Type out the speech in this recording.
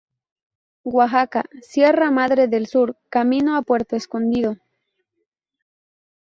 Oaxaca: Sierra Madre del Sur, camino a Puerto Escondido.